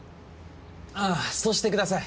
あぁそうしてください。